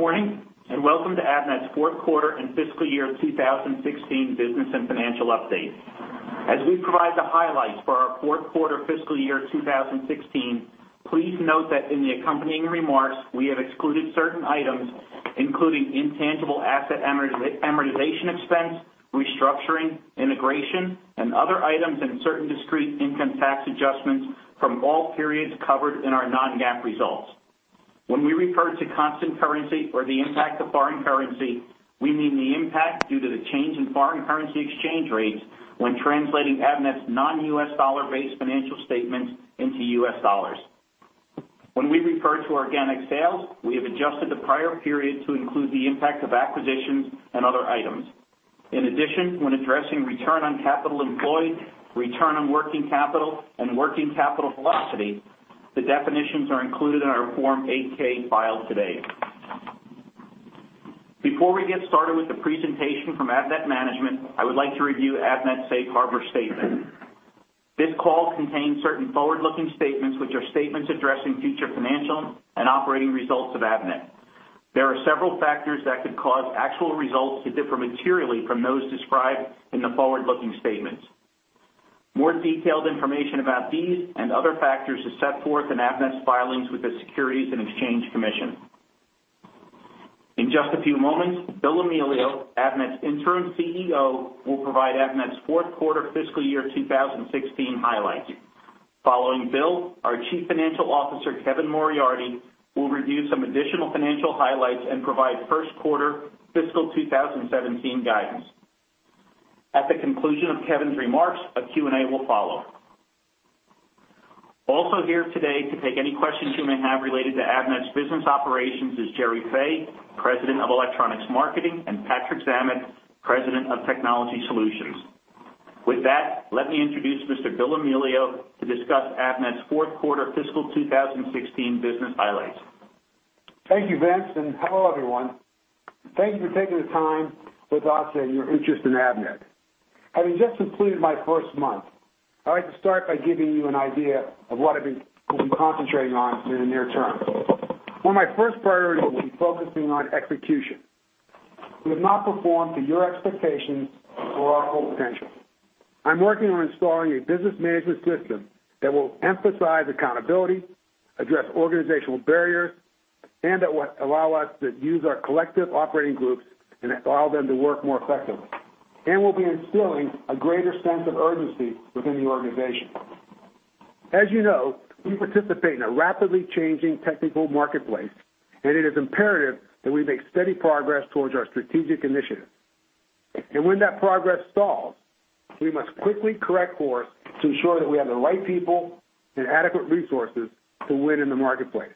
Good morning, and welcome to Avnet's fourth quarter and fiscal year 2016 business and financial update. As we provide the highlights for our fourth quarter fiscal year 2016, please note that in the accompanying remarks, we have excluded certain items, including intangible asset amortization expense, restructuring, integration, and other items, and certain discrete income tax adjustments from all periods covered in our Non-GAAP results. When we refer to constant currency or the impact of foreign currency, we mean the impact due to the change in foreign currency exchange rates when translating Avnet's non-US dollar-based financial statements into US dollars. When we refer to organic sales, we have adjusted the prior period to include the impact of acquisitions and other items. In addition, when addressing return on capital employed, return on working capital and working capital velocity, the definitions are included in our Form 8-K filed today. Before we get started with the presentation from Avnet management, I would like to review Avnet's safe harbor statement. This call contains certain forward-looking statements, which are statements addressing future financial and operating results of Avnet. There are several factors that could cause actual results to differ materially from those described in the forward-looking statements. More detailed information about these and other factors is set forth in Avnet's filings with the Securities and Exchange Commission. In just a few moments, Bill Amelio, Avnet's interim CEO, will provide Avnet's fourth quarter fiscal year 2016 highlights. Following Bill, our Chief Financial Officer, Kevin Moriarty, will review some additional financial highlights and provide first quarter fiscal 2017 guidance. At the conclusion of Kevin's remarks, a Q&A will follow. Also here today to take any questions you may have related to Avnet's business operations is Gerry Fay, President of Electronics Marketing, and Patrick Zammit, President of Technology Solutions. With that, let me introduce Mr. Bill Amelio to discuss Avnet's fourth quarter fiscal 2016 business highlights. Thank you, Vince, and hello, everyone. Thank you for taking the time with us and your interest in Avnet. Having just completed my first month, I'd like to start by giving you an idea of what I've been, we've been concentrating on in the near term. One of my first priorities will be focusing on execution. We have not performed to your expectations or our full potential. I'm working on installing a business management system that will emphasize accountability, address organizational barriers, and that will allow us to use our collective operating groups and allow them to work more effectively. And we'll be instilling a greater sense of urgency within the organization. As you know, we participate in a rapidly changing technical marketplace, and it is imperative that we make steady progress towards our strategic initiatives. When that progress stalls, we must quickly correct course to ensure that we have the right people and adequate resources to win in the marketplace.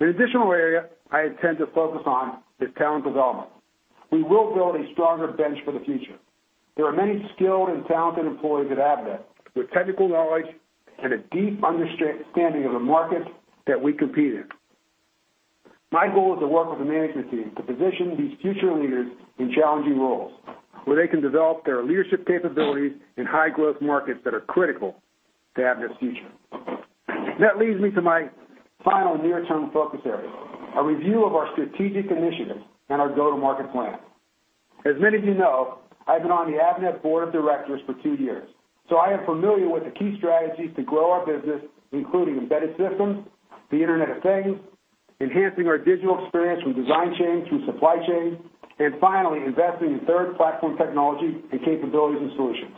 An additional area I intend to focus on is talent development. We will build a stronger bench for the future. There are many skilled and talented employees at Avnet with technical knowledge and a deep understanding of the markets that we compete in. My goal is to work with the management team to position these future leaders in challenging roles, where they can develop their leadership capabilities in high-growth markets that are critical to Avnet's future. That leads me to my final near-term focus area, a review of our strategic initiatives and our go-to-market plan. As many of you know, I've been on the Avnet board of directors for two years, so I am familiar with the key strategies to grow our business, including embedded systems, the Internet of Things, enhancing our digital experience from design chain through supply chain, and finally, investing in Third Platform technology and capabilities and solutions.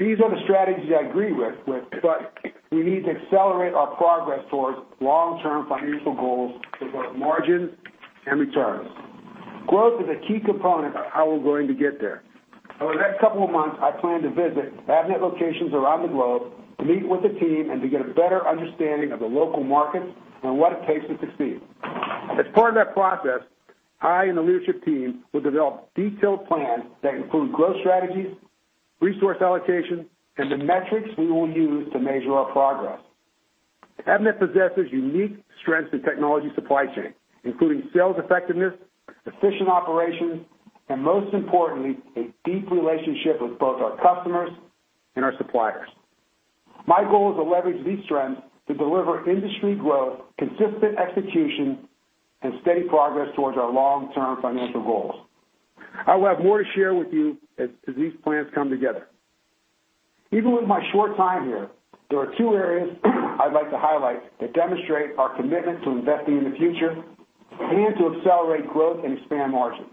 These are the strategies I agree with, but we need to accelerate our progress towards long-term financial goals for both margin and returns. Growth is a key component of how we're going to get there. Over the next couple of months, I plan to visit Avnet locations around the globe to meet with the team and to get a better understanding of the local markets and what it takes to succeed. As part of that process, I and the leadership team will develop detailed plans that include growth strategies, resource allocation, and the metrics we will use to measure our progress. Avnet possesses unique strengths in technology supply chain, including sales effectiveness, efficient operations, and most importantly, a deep relationship with both our customers and our suppliers. My goal is to leverage these strengths to deliver industry growth, consistent execution, and steady progress towards our long-term financial goals. I will have more to share with you as these plans come together. Even with my short time here, there are two areas I'd like to highlight that demonstrate our commitment to investing in the future and to accelerate growth and expand margins.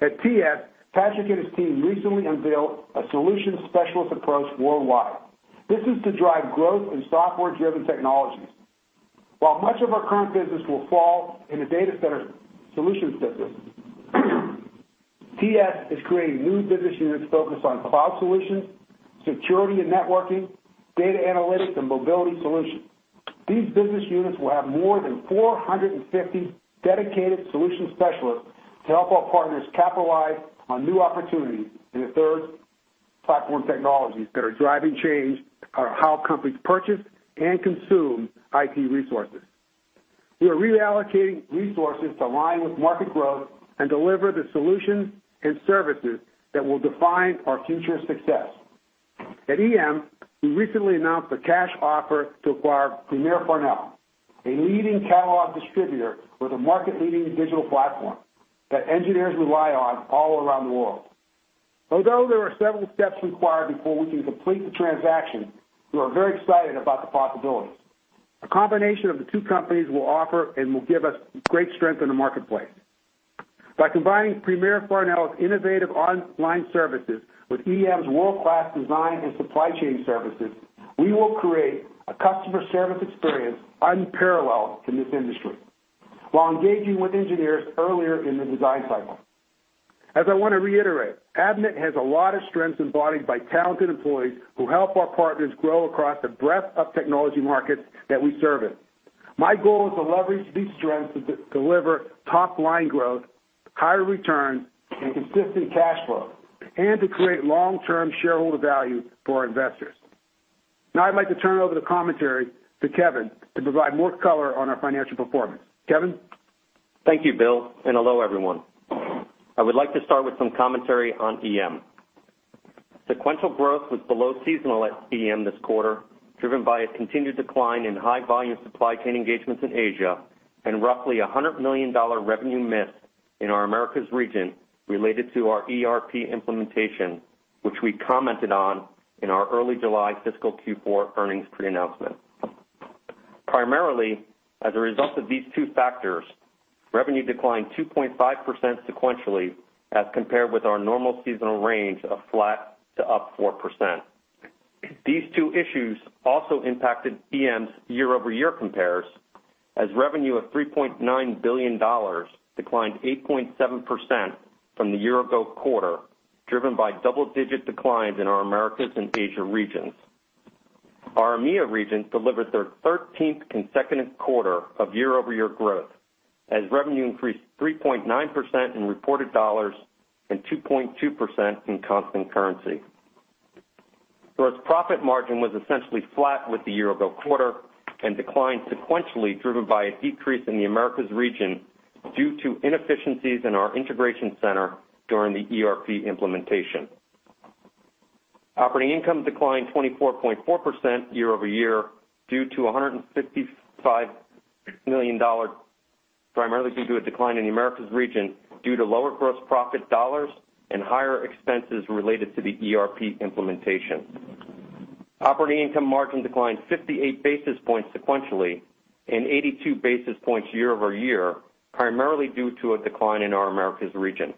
At TS, Patrick and his team recently unveiled a solution specialist approach worldwide. This is to drive growth in software-driven technologies. While much of our current business will fall in the data center solutions business, TS is creating new business units focused on cloud solutions, security and networking, data analytics, and mobility solutions. These business units will have more than 450 dedicated solution specialists to help our partners capitalize on new opportunities in the Third Platform technologies that are driving change on how companies purchase and consume IT resources. We are reallocating resources to align with market growth and deliver the solutions and services that will define our future success. At EM, we recently announced a cash offer to acquire Premier Farnell, a leading catalog distributor with a market-leading digital platform that engineers rely on all around the world. Although there are several steps required before we can complete the transaction, we are very excited about the possibilities. A combination of the two companies will offer and will give us great strength in the marketplace. By combining Premier Farnell's innovative online services with EM's world-class design and supply chain services, we will create a customer service experience unparalleled in this industry, while engaging with engineers earlier in the design cycle. As I want to reiterate, Avnet has a lot of strengths embodied by talented employees who help our partners grow across the breadth of technology markets that we serve in. My goal is to leverage these strengths to deliver top-line growth, higher returns, and consistent cash flow, and to create long-term shareholder value for our investors. Now I'd like to turn over the commentary to Kevin to provide more color on our financial performance. Kevin? Thank you, Bill, and hello, everyone. I would like to start with some commentary on EM. Sequential growth was below seasonal at EM this quarter, driven by a continued decline in high volume supply chain engagements in Asia, and roughly $100 million revenue miss in our Americas region related to our ERP implementation, which we commented on in our early July fiscal Q4 earnings pre-announcement. Primarily, as a result of these two factors, revenue declined 2.5% sequentially, as compared with our normal seasonal range of flat to up 4%. These two issues also impacted EM's year-over-year compares, as revenue of $3.9 billion declined 8.7% from the year-ago quarter, driven by double-digit declines in our Americas and Asia regions. Our EMEA region delivered their 13th consecutive quarter of year-over-year growth, as revenue increased 3.9% in reported dollars and 2.2% in constant currency. Gross profit margin was essentially flat with the year-ago quarter and declined sequentially, driven by a decrease in the Americas region due to inefficiencies in our integration center during the ERP implementation. Operating income declined 24.4% year-over-year due to $155 million, primarily due to a decline in the Americas region due to lower gross profit dollars and higher expenses related to the ERP implementation. Operating income margin declined 58 basis points sequentially and 82 basis points year-over-year, primarily due to a decline in our Americas region.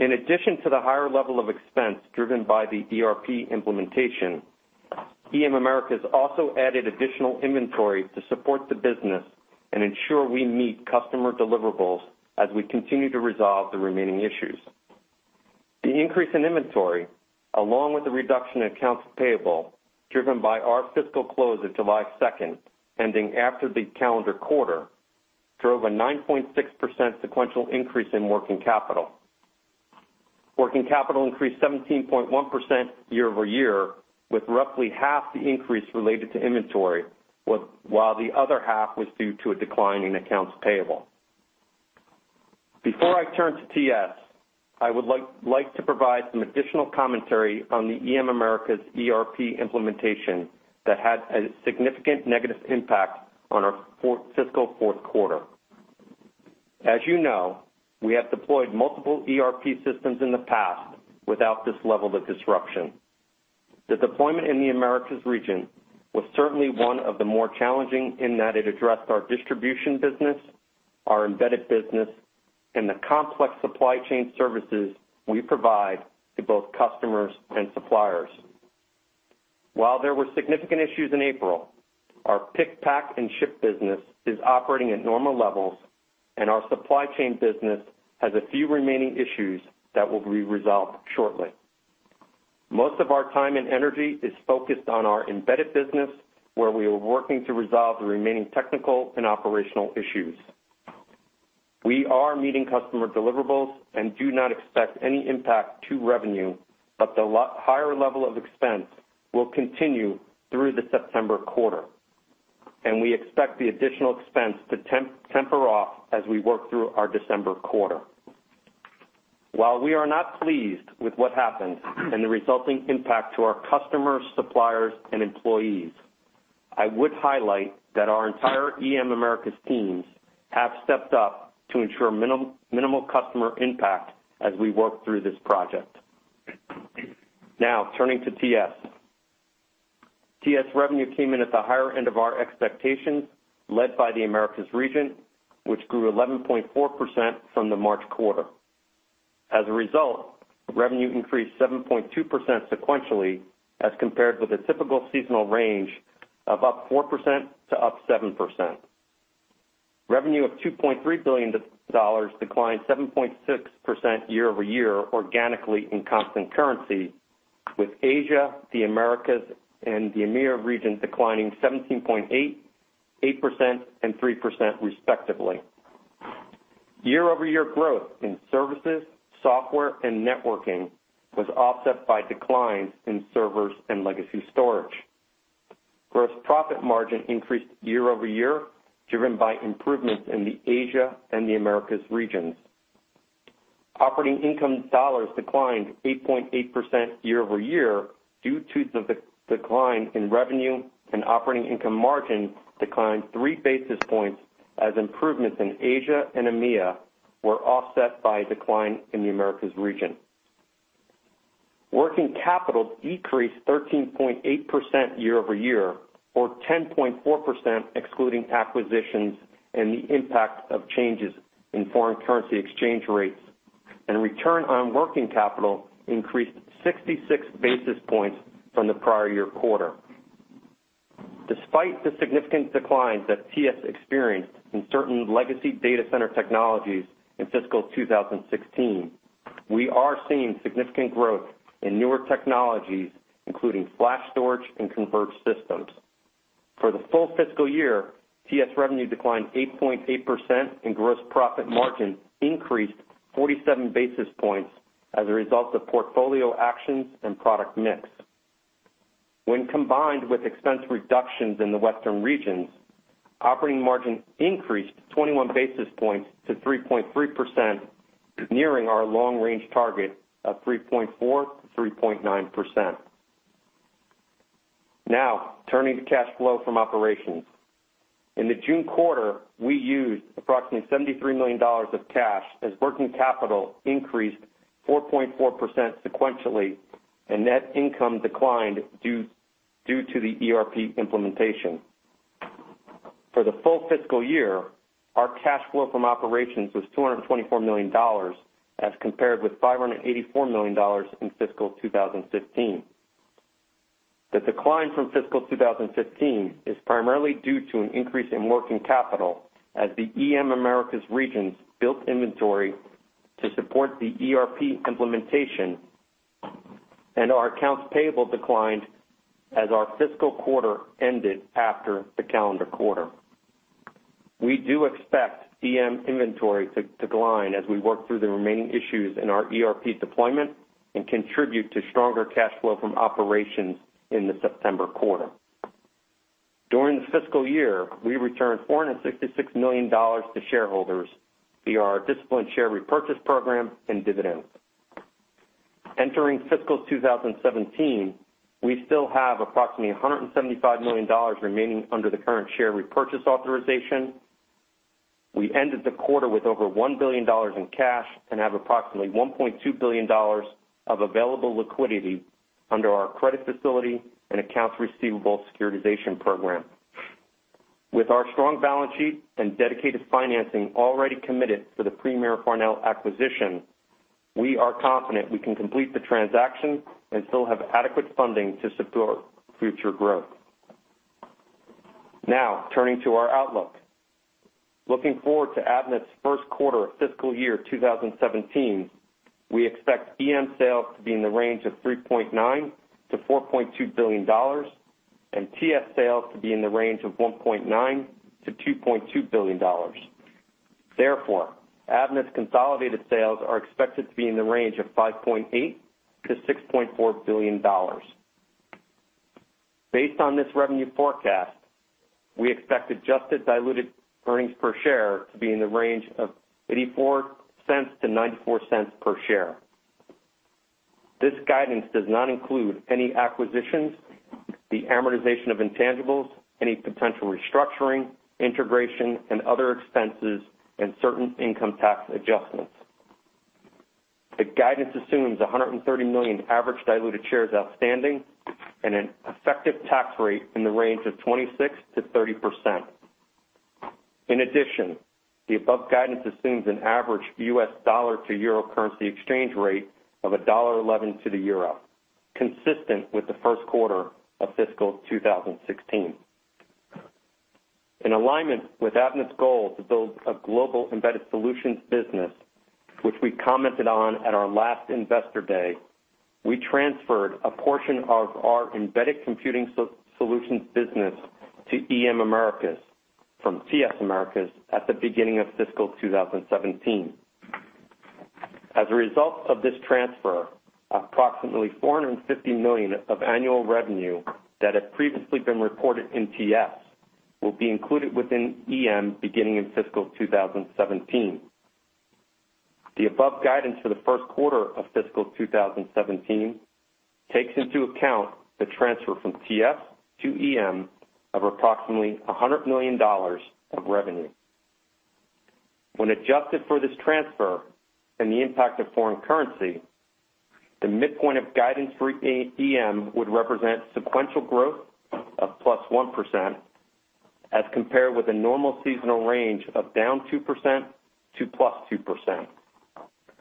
In addition to the higher level of expense driven by the ERP implementation, EM Americas also added additional inventory to support the business and ensure we meet customer deliverables as we continue to resolve the remaining issues. The increase in inventory, along with the reduction in accounts payable, driven by our fiscal close of July 2, ending after the calendar quarter, drove a 9.6% sequential increase in working capital. Working capital increased 17.1% year-over-year, with roughly half the increase related to inventory, while the other half was due to a decline in accounts payable. Before I turn to TS, I would like to provide some additional commentary on the EM Americas ERP implementation that had a significant negative impact on our fiscal fourth quarter. As you know, we have deployed multiple ERP systems in the past without this level of disruption. The deployment in the Americas region was certainly one of the more challenging in that it addressed our distribution business, our embedded business, and the complex supply chain services we provide to both customers and suppliers. While there were significant issues in April, our pick, pack, and ship business is operating at normal levels, and our supply chain business has a few remaining issues that will be resolved shortly. Most of our time and energy is focused on our embedded business, where we are working to resolve the remaining technical and operational issues. We are meeting customer deliverables and do not expect any impact to revenue, but the higher level of expense will continue through the September quarter, and we expect the additional expense to temper off as we work through our December quarter. While we are not pleased with what happened and the resulting impact to our customers, suppliers, and employees, I would highlight that our entire EM Americas teams have stepped up to ensure minimal customer impact as we work through this project. Now, turning to TS. TS revenue came in at the higher end of our expectations, led by the Americas region, which grew 11.4% from the March quarter. As a result, revenue increased 7.2% sequentially, as compared with a typical seasonal range of up 4%-7%. Revenue of $2.3 billion dollars declined 7.6% year-over-year, organically in constant currency, with Asia, the Americas, and the EMEA region declining 17.8%, 8%, and 3% respectively. Year-over-year growth in services, software, and networking was offset by declines in servers and legacy storage. Gross profit margin increased year-over-year, driven by improvements in the Asia and the Americas regions. Operating income dollars declined 8.8% year-over-year due to the decline in revenue, and operating income margin declined 3 basis points as improvements in Asia and EMEA were offset by a decline in the Americas region. Working capital decreased 13.8% year-over-year, or 10.4%, excluding acquisitions and the impact of changes in foreign currency exchange rates, and return on working capital increased 66 basis points from the prior year quarter. Despite the significant declines that TS experienced in certain legacy data center technologies in fiscal 2016, we are seeing significant growth in newer technologies, including flash storage and converged systems. For the full fiscal year, TS revenue declined 8.8%, and gross profit margin increased 47 basis points as a result of portfolio actions and product mix. When combined with expense reductions in the Western regions, operating margin increased 21 basis points to 3.3%, nearing our long-range target of 3.4%-3.9%. Now, turning to cash flow from operations. In the June quarter, we used approximately $73 million of cash as working capital increased 4.4% sequentially, and net income declined due to the ERP implementation. For the full fiscal year, our cash flow from operations was $224 million, as compared with $584 million in fiscal 2015. The decline from fiscal 2015 is primarily due to an increase in working capital as the EM Americas regions built inventory to support the ERP implementation, and our accounts payable declined as our fiscal quarter ended after the calendar quarter. We do expect EM inventory to decline as we work through the remaining issues in our ERP deployment and contribute to stronger cash flow from operations in the September quarter. During the fiscal year, we returned $466 million to shareholders via our disciplined share repurchase program and dividends. Entering fiscal 2017, we still have approximately $175 million remaining under the current share repurchase authorization. We ended the quarter with over $1 billion in cash and have approximately $1.2 billion of available liquidity under our credit facility and accounts receivable securitization program. With our strong balance sheet and dedicated financing already committed for the Premier Farnell acquisition, we are confident we can complete the transaction and still have adequate funding to support future growth. Now, turning to our outlook. Looking forward to Avnet's first quarter of fiscal year 2017, we expect EM sales to be in the range of $3.9 billion-$4.2 billion, and TS sales to be in the range of $1.9 billion-$2.2 billion. Therefore, Avnet's consolidated sales are expected to be in the range of $5.8 billion-$6.4 billion. Based on this revenue forecast, we expect adjusted diluted earnings per share to be in the range of $0.84-$0.94 per share. This guidance does not include any acquisitions, the amortization of intangibles, any potential restructuring, integration, and other expenses, and certain income tax adjustments. The guidance assumes 130 million average diluted shares outstanding and an effective tax rate in the range of 26%-30%. In addition, the above guidance assumes an average US dollar to euro currency exchange rate of $1.11 to the euro, consistent with the first quarter of fiscal 2016. In alignment with Avnet's goal to build a global embedded solutions business, which we commented on at our last Investor Day, we transferred a portion of our embedded computing solutions business to EM Americas from TS Americas at the beginning of fiscal 2017. As a result of this transfer, approximately $450 million of annual revenue that had previously been reported in TS will be included within EM beginning in fiscal 2017. The above guidance for the first quarter of fiscal 2017 takes into account the transfer from TS to EM of approximately $100 million of revenue. When adjusted for this transfer and the impact of foreign currency, the midpoint of guidance for EM would represent sequential growth of +1%, as compared with a normal seasonal range of -2% to +2%,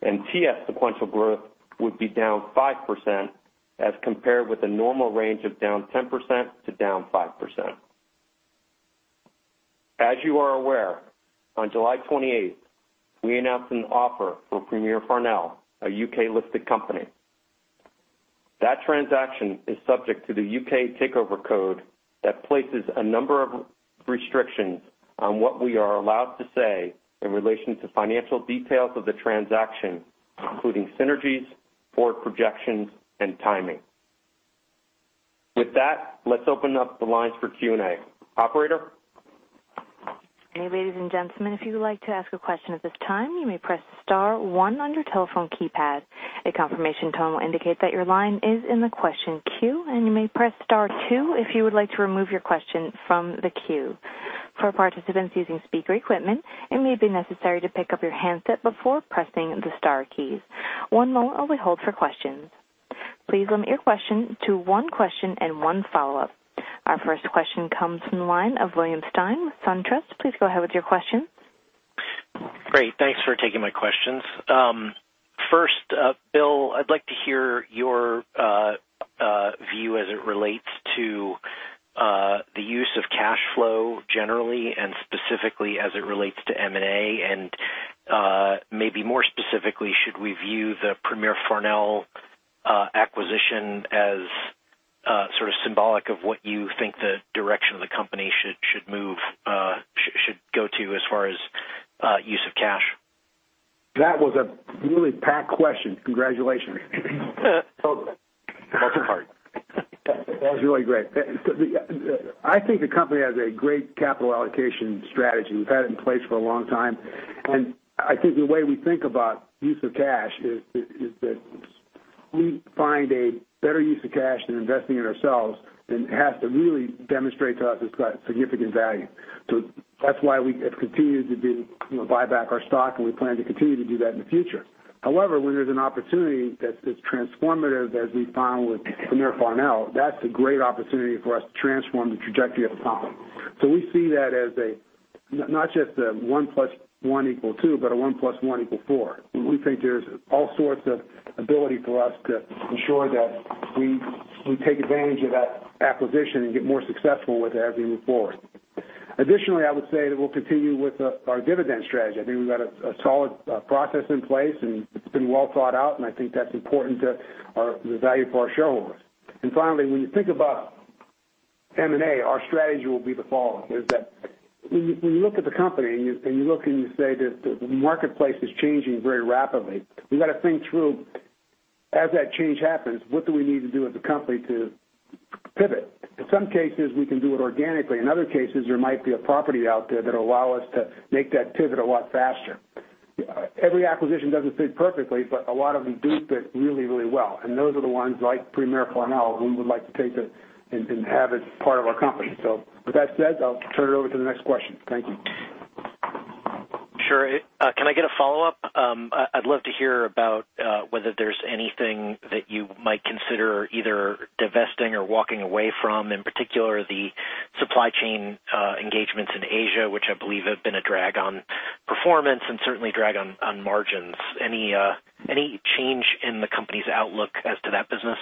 and TS sequential growth would be -5%, as compared with a normal range of -10% to -5%. As you are aware, on July 28, we announced an offer for Premier Farnell, a U.K.-listed company. That transaction is subject to the U.K. Takeover Code that places a number of restrictions on what we are allowed to say in relation to financial details of the transaction, including synergies, forward projections, and timing. ...With that, let's open up the lines for Q&A. Operator? Hey, ladies and gentlemen, if you would like to ask a question at this time, you may press star one on your telephone keypad. A confirmation tone will indicate that your line is in the question queue, and you may press star two if you would like to remove your question from the queue. For participants using speaker equipment, it may be necessary to pick up your handset before pressing the star keys. One moment while we hold for questions. Please limit your question to one question and one follow-up. Our first question comes from the line of William Stein with SunTrust. Please go ahead with your question. Great, thanks for taking my questions. First, Bill, I'd like to hear your view as it relates to the use of cash flow generally and specifically as it relates to M&A, and maybe more specifically, should we view the Premier Farnell acquisition as sort of symbolic of what you think the direction of the company should move, should go to as far as use of cash? That was a really packed question. Congratulations. That was really great. The, I think the company has a great capital allocation strategy. We've had it in place for a long time, and I think the way we think about use of cash is, is, is that we find a better use of cash than investing in ourselves, and it has to really demonstrate to us it's got significant value. So that's why we have continued to do, you know, buy back our stock, and we plan to continue to do that in the future. However, when there's an opportunity that's as transformative as we found with Premier Farnell, that's a great opportunity for us to transform the trajectory of the company. So we see that as a, not just a one plus one equal two, but a one plus one equal four. We think there's all sorts of ability for us to ensure that we take advantage of that acquisition and get more successful with it as we move forward. Additionally, I would say that we'll continue with our dividend strategy. I think we've got a solid process in place, and it's been well thought out, and I think that's important to the value for our shareholders. And finally, when you think about M&A, our strategy will be the following, is that when you look at the company and you look and you say that the marketplace is changing very rapidly, we've got to think through, as that change happens, what do we need to do as a company to pivot? In some cases, we can do it organically. In other cases, there might be a property out there that will allow us to make that pivot a lot faster. Every acquisition doesn't fit perfectly, but a lot of them do fit really, really well, and those are the ones like Premier Farnell, we would like to take it and have it part of our company. So with that said, I'll turn it over to the next question. Thank you. Sure. Can I get a follow-up? I'd love to hear about whether there's anything that you might consider either divesting or walking away from, in particular, the supply chain engagements in Asia, which I believe have been a drag on performance and certainly drag on, on margins. Any, any change in the company's outlook as to that business?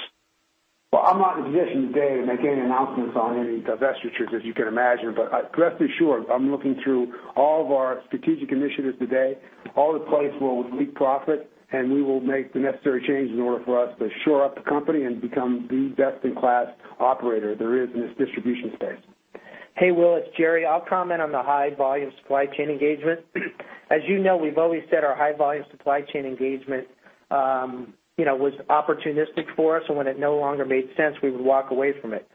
Well, I'm not in a position today to make any announcements on any divestitures, as you can imagine, but rest assured, I'm looking through all of our strategic initiatives today, all the places where we'll reap profit, and we will make the necessary changes in order for us to shore up the company and become the best-in-class operator there is in this distribution space. Hey, Will, it's Gerry. I'll comment on the high-volume supply chain engagement. As you know, we've always said our high-volume supply chain engagement, you know, was opportunistic for us, and when it no longer made sense, we would walk away from it.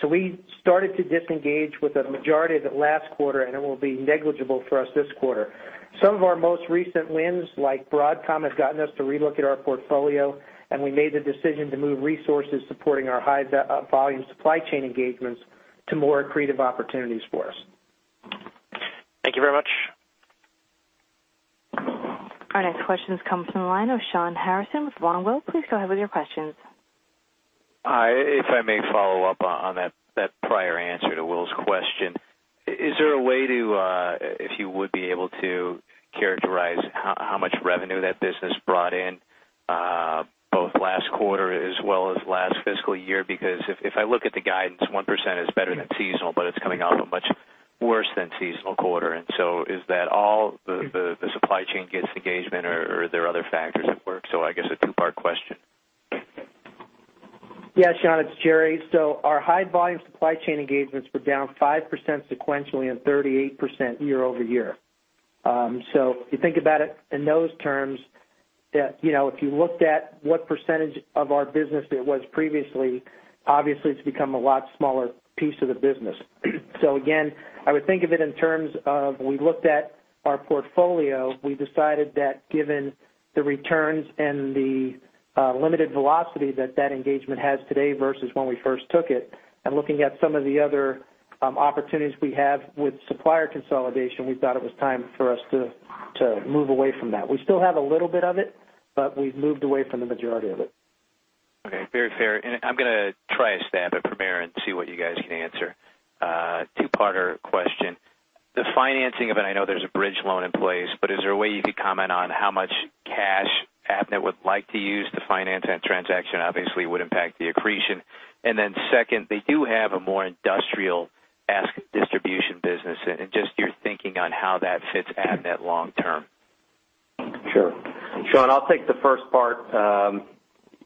So we started to disengage with the majority of it last quarter, and it will be negligible for us this quarter. Some of our most recent wins, like Broadcom, have gotten us to relook at our portfolio, and we made the decision to move resources supporting our high-volume supply chain engagements to more accretive opportunities for us. Thank you very much. Our next question comes from the line of Shawn Harrison with Longbow Research. Please go ahead with your questions. Hi. If I may follow up on, on that, that prior answer to Will's question. Is there a way to, if you would be able to characterize how, how much revenue that business brought in, both last quarter as well as last fiscal year? Because if, if I look at the guidance, 1% is better than seasonal, but it's coming off a much worse than seasonal quarter. And so is that all the, the, the supply chain engagements or, or are there other factors at work? So I guess a two-part question. Yeah, Sean, it's Jerry. So our high-volume supply chain engagements were down 5% sequentially and 38% year-over-year. So if you think about it in those terms, that, you know, if you looked at what percentage of our business it was previously, obviously it's become a lot smaller piece of the business. So again, I would think of it in terms of we looked at our portfolio, we decided that given the returns and the limited velocity that that engagement has today versus when we first took it, and looking at some of the other opportunities we have with supplier consolidation, we thought it was time for us to move away from that. We still have a little bit of it, but we've moved away from the majority of it. Okay. Very fair. And I'm gonna try a stab at Premier and see what you guys can answer. Two-parter question. The financing of it, I know there's a bridge loan in place, but is there a way you could comment on how much cash Avnet would like to use to finance that transaction? Obviously, it would impact the accretion. And then second, they do have a more industrial-esque distribution business and just your thinking on how that fits Avnet long term. Sure. Sean, I'll take the first part.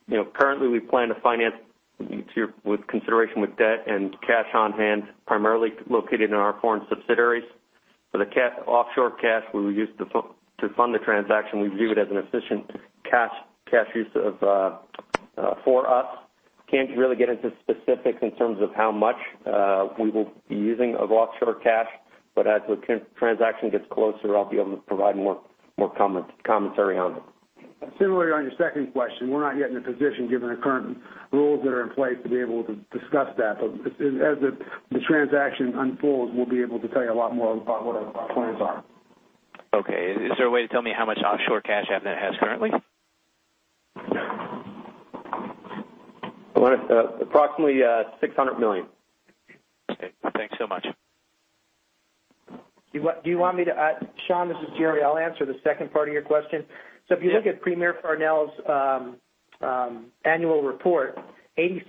You know, currently, we plan to finance with consideration with debt and cash on hand, primarily located in our foreign subsidiaries.... For the cash, offshore cash, we will use to fund the transaction. We view it as an efficient cash use of, for us. Can't really get into specifics in terms of how much we will be using of offshore cash, but as the transaction gets closer, I'll be able to provide more commentary on it. Similarly, on your second question, we're not yet in a position, given the current rules that are in place, to be able to discuss that. But as the transaction unfolds, we'll be able to tell you a lot more about what our plans are. Okay. Is there a way to tell me how much offshore cash Avnet has currently? Well, approximately, $600 million. Okay, thanks so much. Do you want me to add? Sean, this is Jerry. I'll answer the second part of your question. Sure. If you look at Premier Farnell's annual report, 86%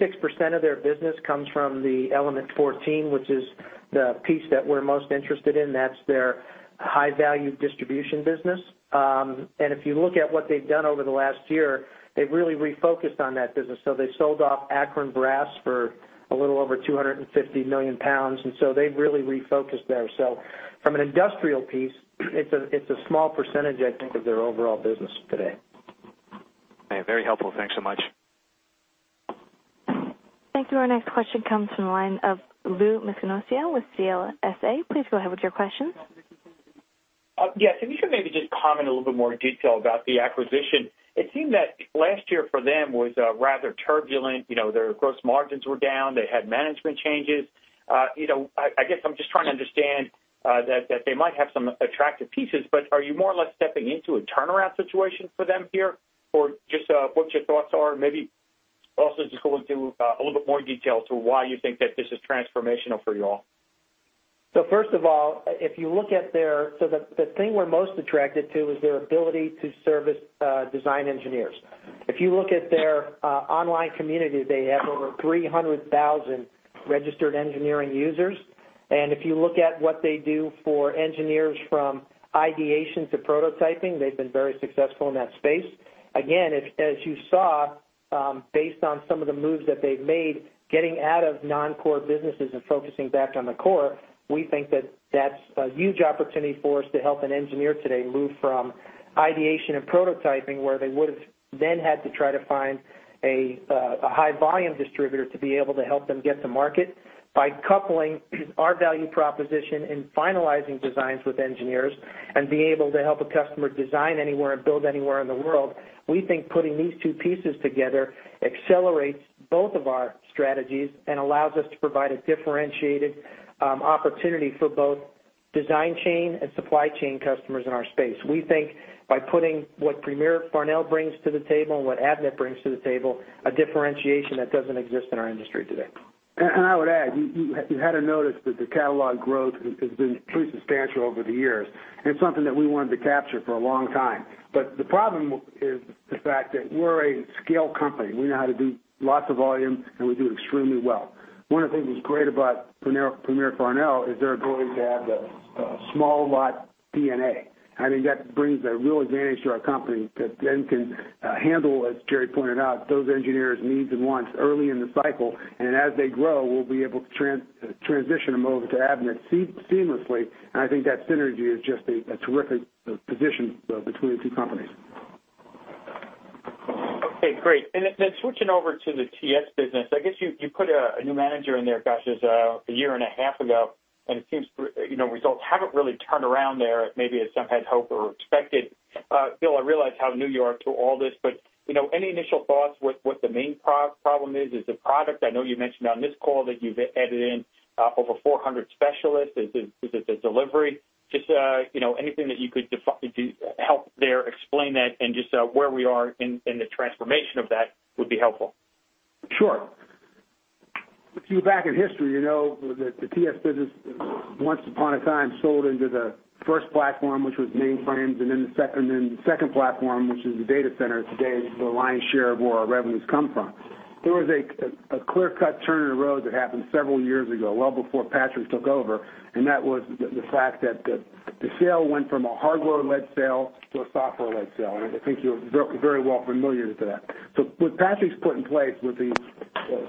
of their business comes from the element14, which is the piece that we're most interested in. That's their high-value distribution business. And if you look at what they've done over the last year, they've really refocused on that business. They sold off Akron Brass for a little over 250 million pounds, and so they've really refocused there. From an industrial piece, it's a small percentage, I think, of their overall business today. Very helpful. Thanks so much. Thank you. Our next question comes from the line of Lou Misianos with CLSA. Please go ahead with your question. Yes, if you could maybe just comment a little bit more in detail about the acquisition. It seemed that last year for them was rather turbulent. You know, their gross margins were down, they had management changes. You know, I guess I'm just trying to understand that they might have some attractive pieces, but are you more or less stepping into a turnaround situation for them here? Or just what your thoughts are, and maybe also just go into a little bit more detail to why you think that this is transformational for you all. So first of all, if you look at their, so the thing we're most attracted to is their ability to service design engineers. If you look at their online community, they have over 300,000 registered engineering users. And if you look at what they do for engineers, from ideation to prototyping, they've been very successful in that space. Again, as you saw, based on some of the moves that they've made, getting out of non-core businesses and focusing back on the core, we think that that's a huge opportunity for us to help an engineer today move from ideation and prototyping, where they would've then had to try to find a high-volume distributor to be able to help them get to market. By coupling our value proposition in finalizing designs with engineers and being able to help a customer design anywhere and build anywhere in the world, we think putting these two pieces together accelerates both of our strategies and allows us to provide a differentiated opportunity for both design chain and supply chain customers in our space. We think by putting what Premier Farnell brings to the table and what Avnet brings to the table, a differentiation that doesn't exist in our industry today. I would add, you had to notice that the catalog growth has been pretty substantial over the years, and something that we wanted to capture for a long time. But the problem is the fact that we're a scale company. We know how to do lots of volume, and we do it extremely well. One of the things that's great about Premier Farnell is their ability to have the small lot DNA. I think that brings a real advantage to our company that then can handle, as Gerry pointed out, those engineers' needs and wants early in the cycle, and as they grow, we'll be able to transition and move them to Avnet seamlessly. And I think that synergy is just a terrific position between the two companies. Okay, great. And then switching over to the TS business, I guess you put a new manager in there, gosh, it was a year and a half ago, and it seems, you know, results haven't really turned around there, maybe as some had hoped or expected. Bill, I realize how new you are to all this, but, you know, any initial thoughts what the main problem is? Is it product? I know you mentioned on this call that you've added in over 400 specialists. Is it the delivery? Just, you know, anything that you could help there, explain that and just where we are in the transformation of that, would be helpful. Sure. If you look back in history, you know that the TS business once upon a time sold into the First Platform, which was mainframes, and then the second, and then the Second Platform, which is the data center today, is the lion's share of where our revenues come from. There was a clear-cut turn in the road that happened several years ago, well before Patrick took over, and that was the fact that the sale went from a hardware-led sale to a software-led sale, and I think you're very well familiar to that. So what Patrick's put in place with the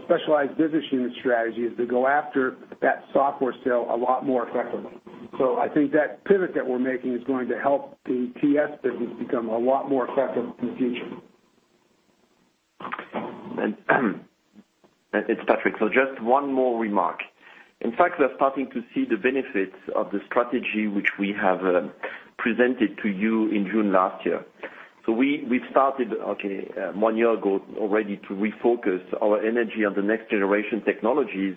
specialized business unit strategy is to go after that software sale a lot more effectively. So I think that pivot that we're making is going to help the TS business become a lot more effective in the future. It's Patrick. So just one more remark. In fact, we're starting to see the benefits of the strategy which we have presented to you in June last year. So we've started one year ago already to refocus our energy on the next-generation technologies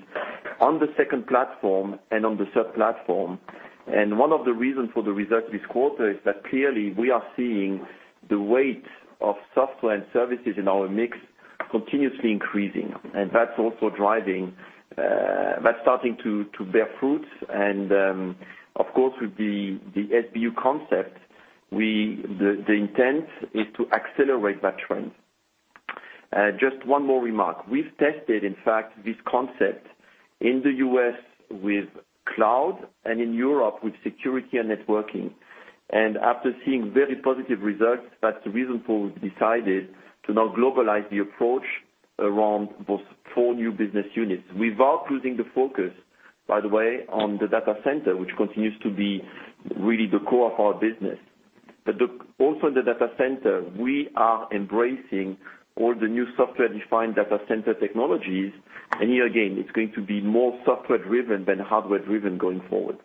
on the Second Platform and on the third platform. And one of the reasons for the results this quarter is that clearly we are seeing the weight of software and services in our mix continuously increasing, and that's also driving. That's starting to bear fruit. And, of course, with the SBU concept, the intent is to accelerate that trend. Just one more remark. We've tested, in fact, this concept in the U.S. with cloud and in Europe with security and networking. ...And after seeing very positive results, that's the reason for we decided to now globalize the approach around those four new business units without losing the focus, by the way, on the data center, which continues to be really the core of our business. But also in the data center, we are embracing all the new software-defined data center technologies, and here again, it's going to be more software-driven than hardware-driven going forward.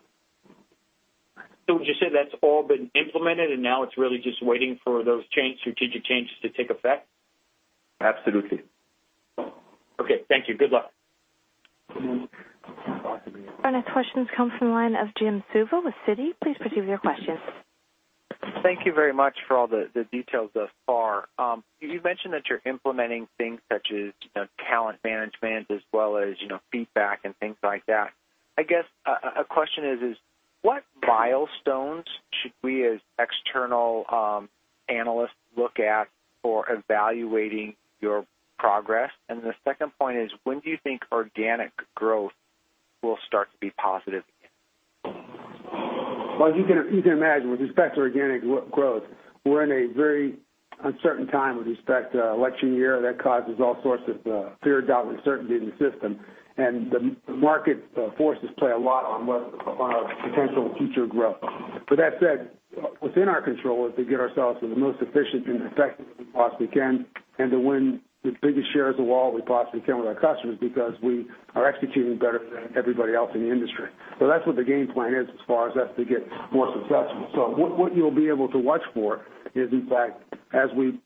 So would you say that's all been implemented, and now it's really just waiting for those changes, strategic changes to take effect? Absolutely. Okay. Thank you. Good luck. Our next question comes from the line of Jim Suva with Citi Please proceed with your question. Thank you very much for all the details thus far. You mentioned that you're implementing things such as, you know, talent management as well as, you know, feedback and things like that. I guess a question is what milestones should we, as external analysts, look at for evaluating your progress? And the second point is, when do you think organic growth will start to be positive again? Well, as you can imagine, with respect to organic growth, we're in a very uncertain time with respect to election year. That causes all sorts of fear, doubt, and uncertainty in the system, and the market forces play a lot on what on our potential future growth. With that said, within our control is to get ourselves to the most efficient and effective as we possibly can and to win the biggest share of the wall we possibly can with our customers because we are executing better than everybody else in the industry. So that's what the game plan is as far as us to get more successful. So what you'll be able to watch for is, in fact, as we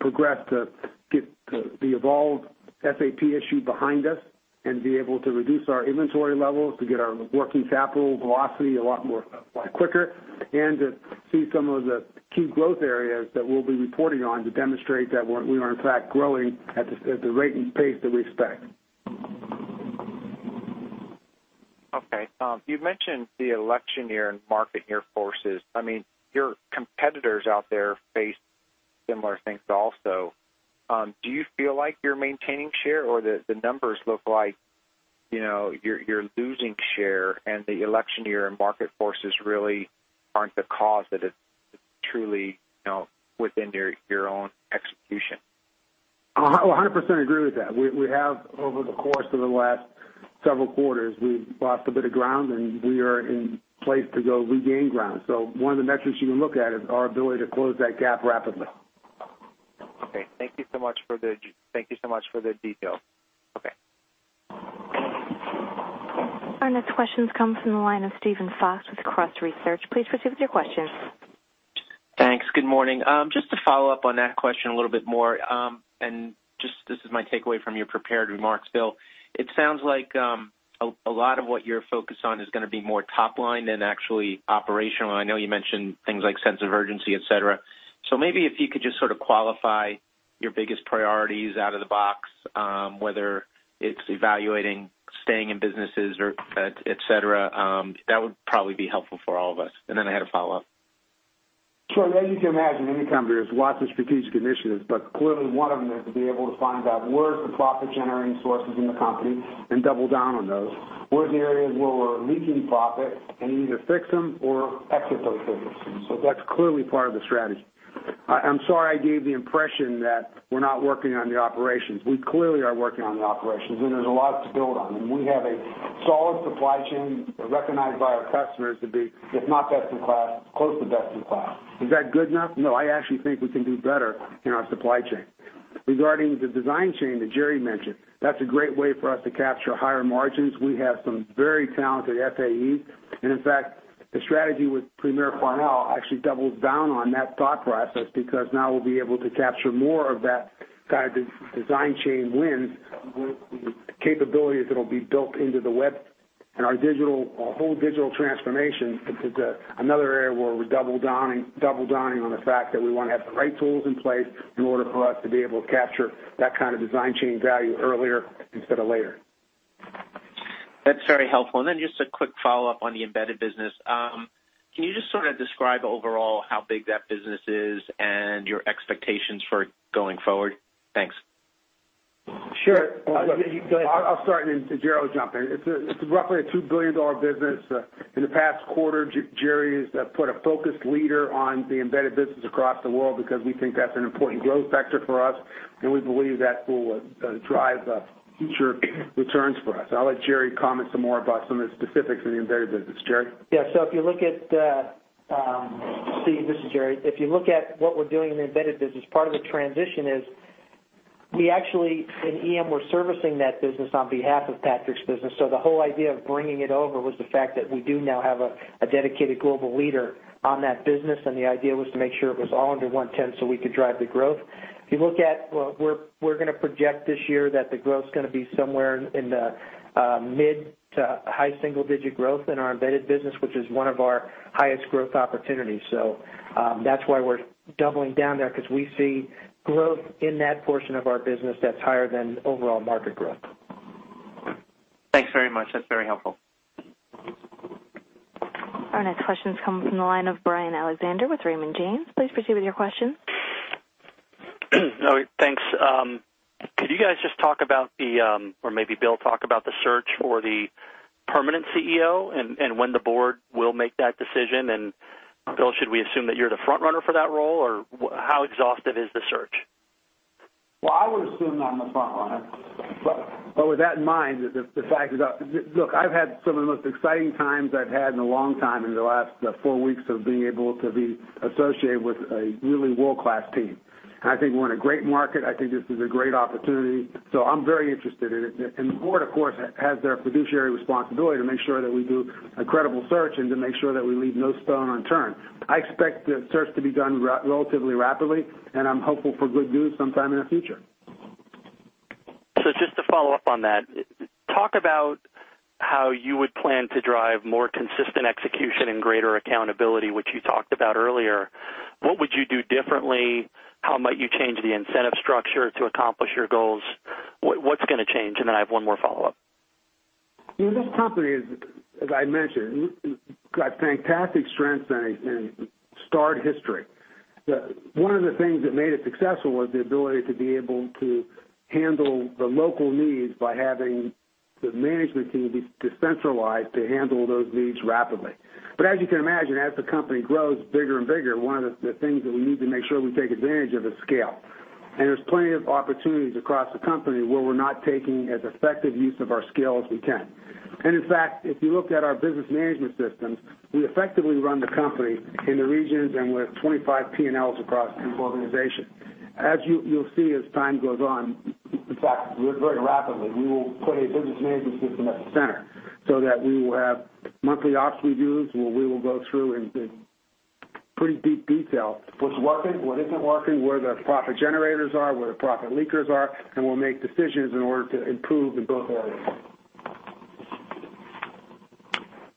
progress to get the Evolve SAP issue behind us and be able to reduce our inventory levels to get our working capital velocity a lot more, a lot quicker, and to see some of the key growth areas that we'll be reporting on to demonstrate that we're, we are in fact growing at the rate and pace that we expect. Okay. You've mentioned the election year and market year forces. I mean, your competitors out there face similar things also. Do you feel like you're maintaining share or the, the numbers look like, you know, you're, you're losing share, and the election year and market forces really aren't the cause, that it's truly, you know, within your, your own execution? I 100% agree with that. We have over the course of the last several quarters, we've lost a bit of ground, and we are in place to go regain ground. So one of the metrics you can look at is our ability to close that gap rapidly. Okay. Thank you so much for the detail. Okay. Our next question comes from the line of Steven Fox with Cross Research. Please proceed with your question. Thanks. Good morning. Just to follow up on that question a little bit more, and just this is my takeaway from your prepared remarks, Bill. It sounds like a lot of what you're focused on is gonna be more top line than actually operational. I know you mentioned things like sense of urgency, et cetera. So maybe if you could just sort of qualify your biggest priorities out of the box, whether it's evaluating, staying in businesses or et cetera, that would probably be helpful for all of us. And then I had a follow-up. So as you can imagine, any company has lots of strategic initiatives, but clearly one of them is to be able to find out where's the profit-generating sources in the company and double down on those. Where are the areas where we're leaking profit, and either fix them or exit those businesses. So that's clearly part of the strategy. I, I'm sorry I gave the impression that we're not working on the operations. We clearly are working on the operations, and there's a lot to build on. I mean, we have a solid supply chain recognized by our customers to be, if not best in class, close to best in class. Is that good enough? No, I actually think we can do better in our supply chain. Regarding the design chain that Gerry mentioned, that's a great way for us to capture higher margins. We have some very talented FAE. In fact, the strategy with Premier Farnell actually doubles down on that thought process because now we'll be able to capture more of that kind of design chain wins with the capabilities that'll be built into the web and our digital - our whole digital transformation is another area where we're double downing, double downing on the fact that we want to have the right tools in place in order for us to be able to capture that kind of design chain value earlier instead of later. That's very helpful. And then just a quick follow-up on the embedded business. Can you just sort of describe overall how big that business is and your expectations for it going forward? Thanks. Sure. Go ahead. I'll start, and then Gerry will jump in. It's roughly a $2 billion business. In the past quarter, Gerry has put a focused leader on the embedded business across the world because we think that's an important growth sector for us, and we believe that will drive the future returns for us. I'll let Gerry comment some more about some of the specifics in the embedded business. Gerry? Yeah, so if you look at, Steve, this is Gerry. If you look at what we're doing in the embedded business, part of the transition is we actually, in EM, we're servicing that business on behalf of Patrick's business, so the whole idea of bringing it over was the fact that we do now have a dedicated global leader on that business, and the idea was to make sure it was all under one tent so we could drive the growth. If you look at, well, we're gonna project this year that the growth's gonna be somewhere in the mid to high single digit growth in our embedded business, which is one of our highest growth opportunities. So, that's why we're doubling down there, because we see growth in that portion of our business that's higher than overall market growth. Thanks very much. That's very helpful. Our next question comes from the line of Brian Alexander with Raymond James. Please proceed with your question. All right, thanks. Could you guys just talk about the, or maybe Bill, talk about the search for the permanent CEO and when the board will make that decision? And Bill, should we assume that you're the front runner for that role, or how exhaustive is the search? Well, I would assume I'm the front runner, but, but with that in mind, the, the fact is that... Look, I've had some of the most exciting times I've had in a long time in the last four weeks of being able to be associated with a really world-class team. And I think we're in a great market. I think this is a great opportunity, so I'm very interested in it. And the board, of course, has their fiduciary responsibility to make sure that we do a credible search and to make sure that we leave no stone unturned. I expect the search to be done relatively rapidly, and I'm hopeful for good news sometime in the future. So just to follow up on that, talk about how you would plan to drive more consistent execution and greater accountability, which you talked about earlier. What would you do differently? How might you change the incentive structure to accomplish your goals? What, what's gonna change? And then I have one more follow-up. Well, this company, as I mentioned, got fantastic strengths and storied history. One of the things that made it successful was the ability to be able to handle the local needs by having the management team be decentralized to handle those needs rapidly. But as you can imagine, as the company grows bigger and bigger, one of the things that we need to make sure we take advantage of is scale. And there's plenty of opportunities across the company where we're not taking as effective use of our scale as we can. And in fact, if you looked at our business management systems, we effectively run the company in the regions, and we have 25 P&Ls across the organization. As you, you'll see, as time goes on, in fact, very rapidly, we will put a business management system at the center, so that we will have monthly ops reviews, where we will go through in pretty deep detail, what's working, what isn't working, where the profit generators are, where the profit leakers are, and we'll make decisions in order to improve in both areas.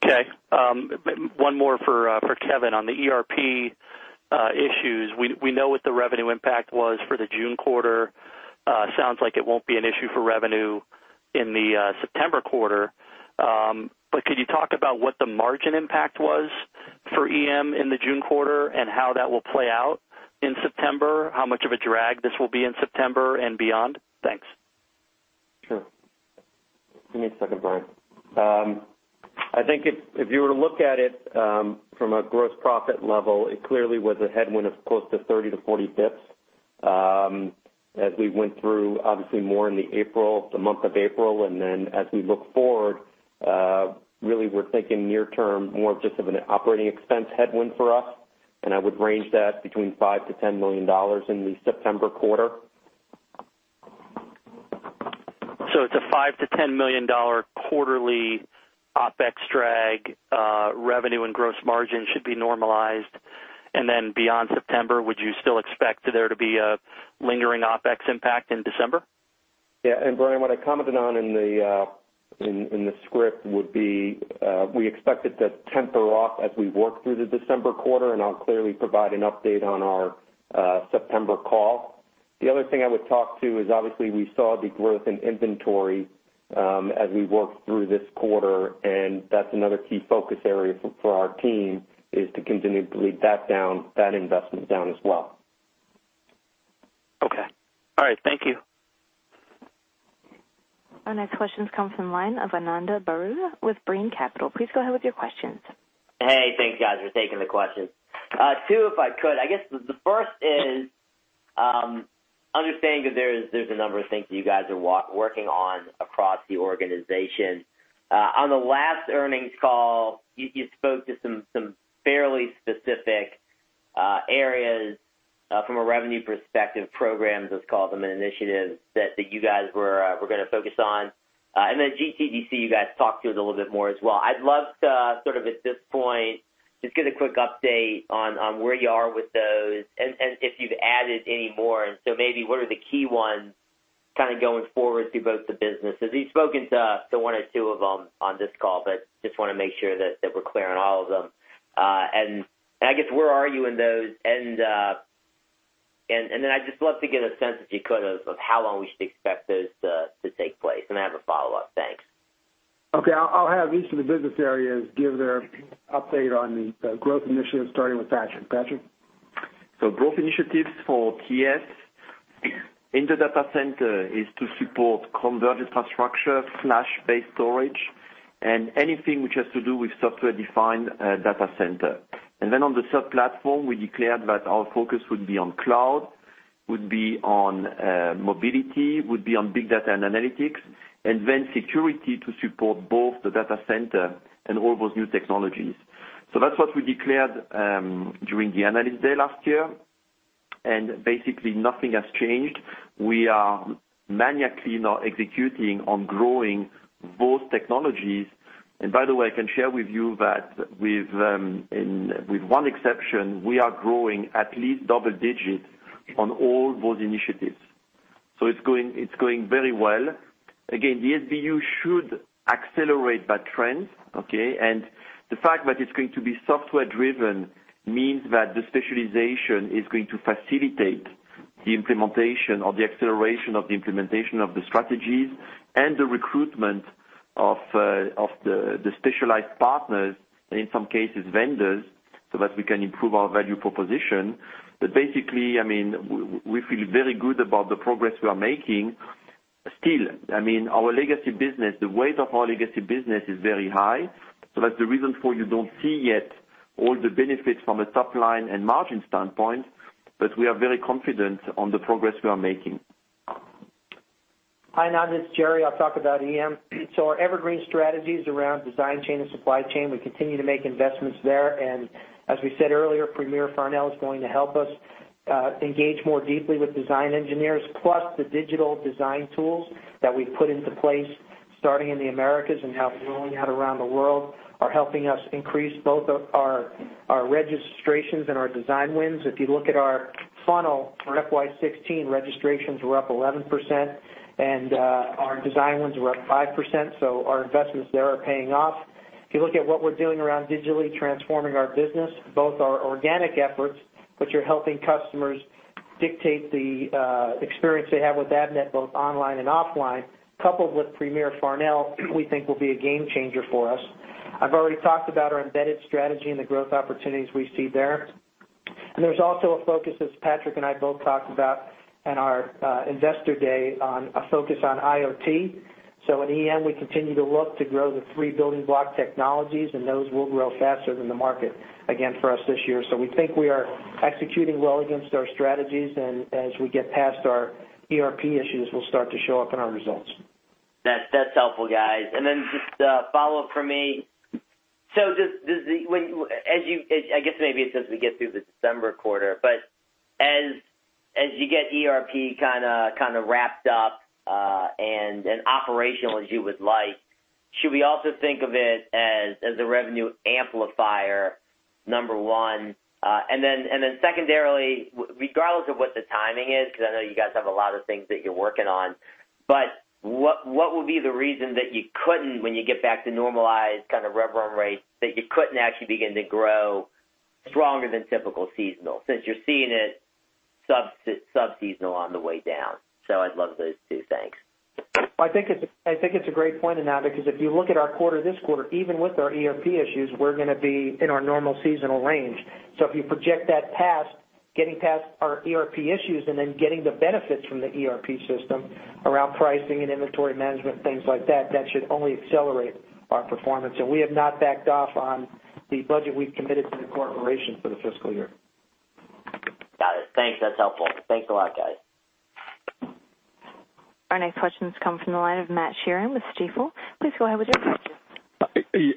Okay, one more for Kevin. On the ERP issues, we know what the revenue impact was for the June quarter. Sounds like it won't be an issue for revenue in the September quarter. But could you talk about what the margin impact was for EM in the June quarter, and how that will play out in September? How much of a drag this will be in September and beyond? Thanks. Sure. Give me a second, Brian. I think if you were to look at it from a gross profit level, it clearly was a headwind of close to 30-40 basis points. As we went through, obviously more in the April, the month of April, and then as we look forward, really we're thinking near term, more just of an operating expense headwind for us, and I would range that between $5 million-$10 million in the September quarter. It's a $5 million-$10 million quarterly OpEx drag, revenue and gross margin should be normalized, and then beyond September, would you still expect there to be a lingering OpEx impact in December? Yeah, and Brian, what I commented on in the, in the script would be, we expect it to temper off as we work through the December quarter, and I'll clearly provide an update on our, September call. The other thing I would talk to is, obviously, we saw the growth in inventory, as we worked through this quarter, and that's another key focus area for, for our team, is to continue to lead that down, that investment down as well. Okay. All right, thank you. Our next question comes from the line of Ananda Baruah Brean Capital. Please go ahead with your questions. Hey, thanks, guys, for taking the questions. Two, if I could. I guess the first is understanding that there's a number of things that you guys are working on across the organization. On the last earnings call, you spoke to some fairly specific areas from a revenue perspective, programs, let's call them, and initiatives that you guys were gonna focus on. And then GTDC, you guys talked to us a little bit more as well. I'd love to, sort of at this point, just get a quick update on where you are with those, and if you've added any more. So maybe what are the key ones kind of going forward through both the businesses? You've spoken to one or two of them on this call, but just wanna make sure that we're clear on all of them. And I guess where are you in those? And then I'd just love to get a sense, if you could, of how long we should expect those to take place. And I have a follow-up. Thanks. Okay. I'll have each of the business areas give their update on the growth initiatives, starting with Patrick. Patrick? So growth initiatives for TS in the data center is to support converged infrastructure, flash-based storage, and anything which has to do with software-defined data center. And then on the Third Platform, we declared that our focus would be on cloud, would be on mobility, would be on big data and analytics, and then security to support both the data center and all those new technologies. So that's what we declared during the Analyst Day last year, and basically, nothing has changed. We are maniacally now executing on growing both technologies. And by the way, I can share with you that with one exception, we are growing at least double digits on all those initiatives. So it's going, it's going very well. Again, the SBU should accelerate that trend, okay? The fact that it's going to be software driven means that the specialization is going to facilitate the implementation or the acceleration of the implementation of the strategies and the recruitment of the specialized partners, in some cases, vendors, so that we can improve our value proposition. But basically, I mean, we feel very good about the progress we are making. Still, I mean, our legacy business, the weight of our legacy business is very high, so that's the reason for you don't see yet all the benefits from a top line and margin standpoint, but we are very confident on the progress we are making. Hi, now, this is Gerry. I'll talk about EM. So our evergreen strategies around design chain and supply chain, we continue to make investments there. And as we said earlier, Premier Farnell is going to help us engage more deeply with design engineers, plus the digital design tools that we put into place, starting in the Americas and now rolling out around the world, are helping us increase both our, our registrations and our design wins. If you look at our funnel for FY 2016, registrations were up 11%, and our design wins were up 5%, so our investments there are paying off. If you look at what we're doing around digitally transforming our business, both our organic efforts, which are helping customers dictate the experience they have with Avnet, both online and offline, coupled with Premier Farnell, we think will be a game changer for us. I've already talked about our embedded strategy and the growth opportunities we see there. There's also a focus, as Patrick and I both talked about in our Investor Day, on a focus on IoT. In EM, we continue to look to grow the three building block technologies, and those will grow faster than the market, again, for us this year. We think we are executing well against our strategies, and as we get past our ERP issues, we'll start to show up in our results. That's helpful, guys. And then just a follow-up from me. So does the when as you—I guess maybe it's as we get through the December quarter, but as you get ERP kind of wrapped up and operational as you would like, should we also think of it as a revenue amplifier, number one? And then secondarily, regardless of what the timing is, because I know you guys have a lot of things that you're working on, but what would be the reason that you couldn't, when you get back to normalized kind of rev run rate, actually begin to grow stronger than typical seasonal, since you're seeing it sub-subseasonal on the way down? So I'd love those two. Thanks. I think it's, I think it's a great point, and now, because if you look at our quarter, this quarter, even with our ERP issues, we're gonna be in our normal seasonal range. So if you project that past, getting past our ERP issues and then getting the benefits from the ERP system around pricing and inventory management, things like that, that should only accelerate our performance. And we have not backed off on the budget we've committed to the corporation for the fiscal year. Got it. Thanks. That's helpful. Thanks a lot, guys. Our next question comes from the line of Matt Sheerin with Stifel. Please go ahead with your question.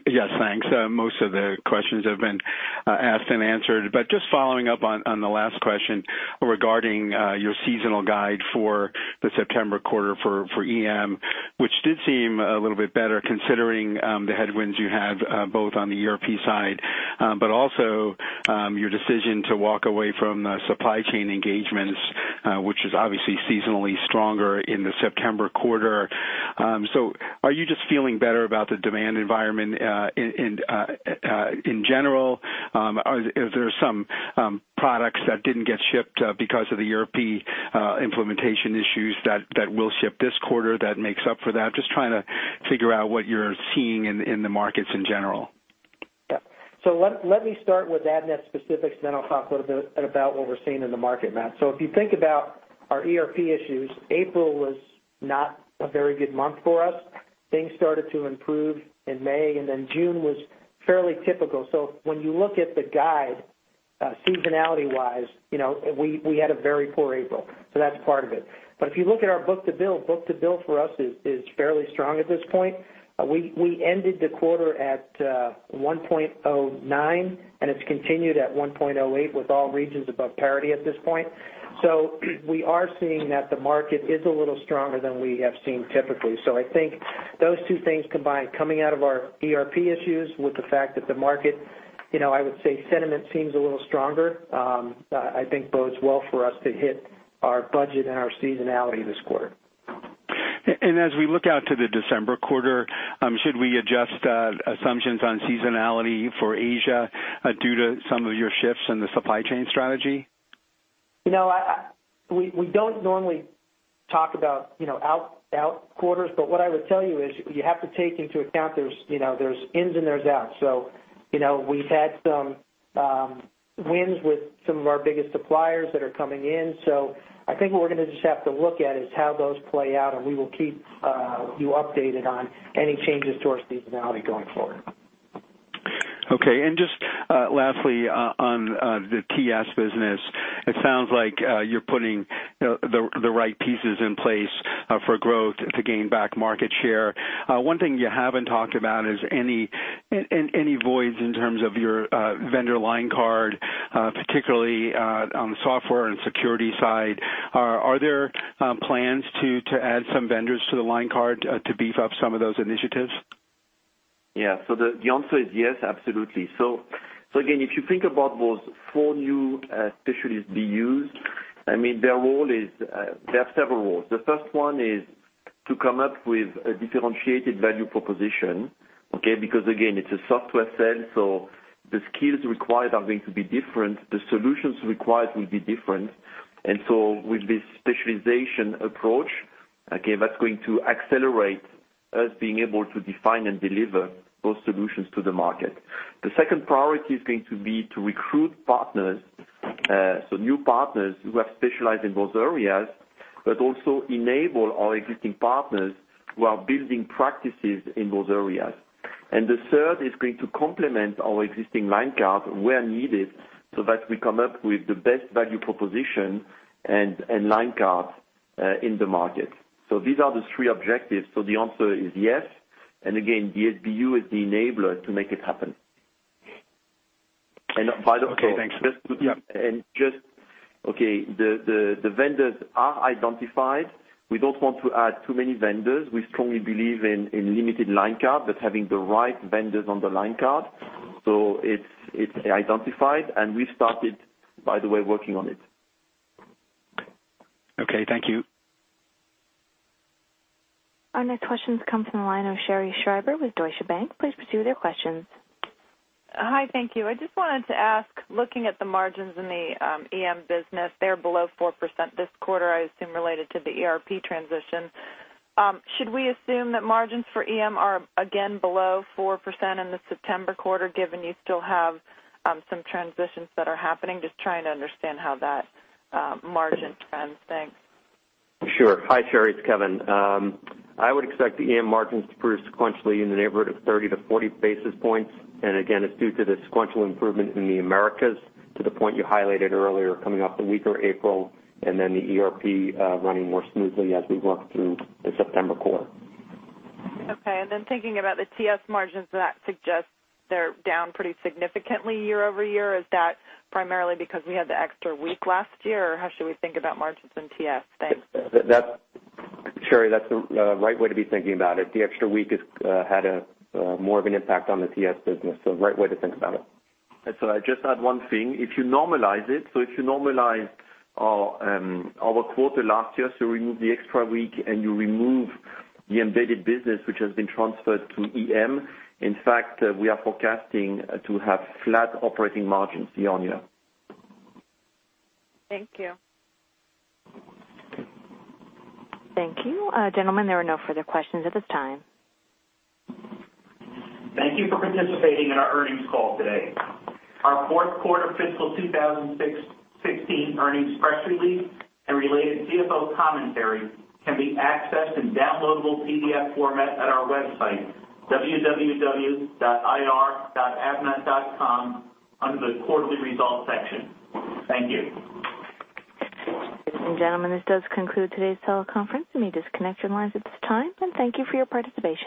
Yes, thanks. Most of the questions have been asked and answered, but just following up on the last question regarding your seasonal guide for the September quarter for EM, which did seem a little bit better considering the headwinds you have both on the ERP side but also your decision to walk away from the supply chain engagements, which is obviously seasonally stronger in the September quarter. So are you just feeling better about the demand environment in general? Are -- is there some products that didn't get shipped because of the ERP implementation issues that will ship this quarter that makes up for that? Just trying to figure out what you're seeing in the markets in general. Yeah. So let me start with Avnet specifics, then I'll talk a little bit about what we're seeing in the market, Matt. So if you think about our ERP issues, April was not a very good month for us. Things started to improve in May, and then June was fairly typical. So when you look at the guide, seasonality-wise, you know, we had a very poor April, so that's part of it. But if you look at our book to bill, book to bill for us is fairly strong at this point. We ended the quarter at 1.09, and it's continued at 1.08, with all regions above parity at this point. So we are seeing that the market is a little stronger than we have seen typically. So I think those two things combined, coming out of our ERP issues, with the fact that the market, you know, I would say sentiment seems a little stronger, I think bodes well for us to hit our budget and our seasonality this quarter. As we look out to the December quarter, should we adjust assumptions on seasonality for Asia due to some of your shifts in the supply chain strategy? You know, we don't normally talk about, you know, future quarters, but what I would tell you is, you have to take into account there's, you know, there's ins and there's outs. So, you know, we've had some wins with some of our biggest suppliers that are coming in. So I think what we're gonna just have to look at is how those play out, and we will keep you updated on any changes to our seasonality going forward. Okay. And just, lastly, on the TS business, it sounds like you're putting the right pieces in place for growth to gain back market share. One thing you haven't talked about is any voids in terms of your vendor line card, particularly on the software and security side. Are there plans to add some vendors to the line card to beef up some of those initiatives? Yeah. So the answer is yes, absolutely. So again, if you think about those four new specialties, BUs, I mean, their role is, they have several roles. The first one is to come up with a differentiated value proposition. Okay, because again, it's a software sale, so the skills required are going to be different, the solutions required will be different. And so with this specialization approach, again, that's going to accelerate us being able to define and deliver those solutions to the market. The second priority is going to be to recruit partners, so new partners who are specialized in those areas, but also enable our existing partners who are building practices in those areas. And the third is going to complement our existing line card where needed, so that we come up with the best value proposition and, and line card, in the market. So these are the three objectives. So the answer is yes. And again, the SBU is the enabler to make it happen. And by the way- Okay, thanks. The vendors are identified. We don't want to add too many vendors. We strongly believe in limited line card, but having the right vendors on the line card, so it's identified, and we started, by the way, working on it. Okay, thank you. Our next questions come from the line of Sherri Scribner with Deutsche Bank. Please proceed with your questions. Hi, thank you. I just wanted to ask, looking at the margins in the EM business, they're below 4% this quarter, I assume, related to the ERP transition. Should we assume that margins for EM are again below 4% in the September quarter, given you still have some transitions that are happening? Just trying to understand how that margin trends. Thanks. Sure. Hi, Sherri, it's Kevin. I would expect the EM margins to improve sequentially in the neighborhood of 30 basis point-40 basis points. And again, it's due to the sequential improvement in the Americas, to the point you highlighted earlier, coming off the weaker April and then the ERP, running more smoothly as we work through the September quarter. Okay. And then thinking about the TS margins, that suggests they're down pretty significantly year-over-year. Is that primarily because we had the extra week last year, or how should we think about margins in TS? Thanks. That's, Sherri, that's the right way to be thinking about it. The extra week had a more of an impact on the TS business, so right way to think about it. And so I'd just add one thing: if you normalize it, so if you normalize our quarter last year, so you remove the extra week and you remove the embedded business, which has been transferred to EM, in fact, we are forecasting to have flat operating margins year-over-year. Thank you. Thank you. Gentlemen, there are no further questions at this time. Thank you for participating in our earnings call today. Our fourth quarter fiscal 2016 earnings press release and related CFO commentary can be accessed in downloadable PDF format at our website, www.ir.avnet.com, under the Quarterly Results section. Thank you. Ladies and gentlemen, this does conclude today's teleconference. You may disconnect your lines at this time, and thank you for your participation.